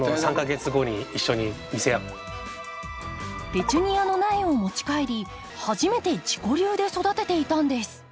ペチュニアの苗を持ち帰り初めて自己流で育てていたんです。